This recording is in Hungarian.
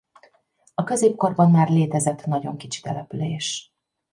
A középkorban már létezett nagyon kicsi település.